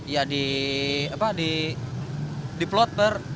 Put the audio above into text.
ya di plot per zonanya masing masing